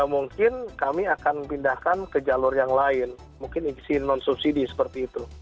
mungkin kami akan pindahkan ke jalur yang lain mungkin isi non subsidi seperti itu